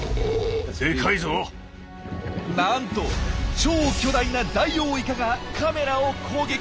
なんと超巨大なダイオウイカがカメラを攻撃！